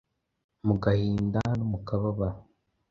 Mu gahinda no mu kababaro,